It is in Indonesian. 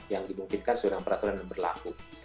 yang dimungkinkan seudah peraturan yang berlaku